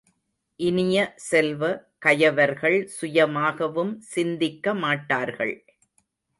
இனிய செல்வ, கயவர்கள் சுயமாகவும் சிந்திக்க மாட்டார்கள்!